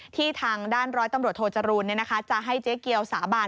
ที่ทางด้านร้อยตำรวจโทจรูลจะให้เจ๊เกียวสาบาน